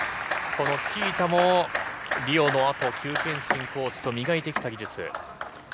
このチキータも、リオのあと、邱建新コーチと磨いてきた技術。